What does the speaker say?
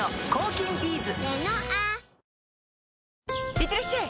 いってらっしゃい！